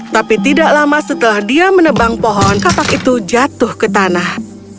tapi tidak lama setelah dia menebang pohon kapak itu jatuh ke tanah